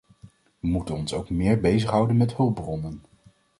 We moeten ons ook meer bezighouden met hulpbronnen.